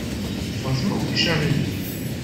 Ffɣet, ma ulac aɣilif.